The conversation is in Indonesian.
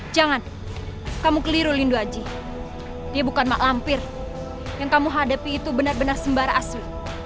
jangan kamu keliru lindu haji dia bukan mak lampir yang kamu hadapi itu benar benar sembara asli